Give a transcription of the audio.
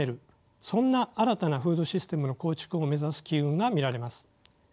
そんな新たなフードシステムの構築を目指す気運が見られます。